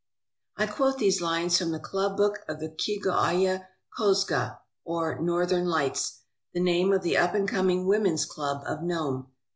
I QUOTE these lines from the club book of the Kegoayah Kozga, or Northern Lights, the name of the up and coming women's club of Nome.